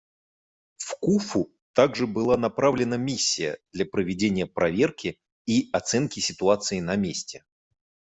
В Куффу также была направлена миссия для проведения проверки и оценки ситуации на месте.